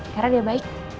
karena dia baik